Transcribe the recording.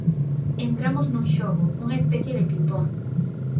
Entramos nun xogo, unha especie de pimpón.